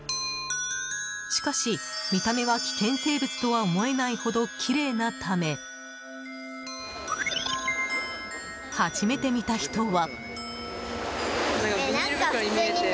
しかし、見た目は危険生物とは思えないほど、きれいなため初めて見た人は。